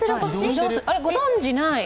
あれっ、ご存じない？